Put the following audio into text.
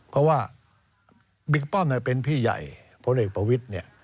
เพราะว่าบิ๊กป้อมเป็นพี่ใหญ่ผลเอกประวิทย์